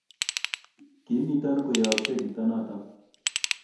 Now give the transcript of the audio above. kimito koyooksei kito noto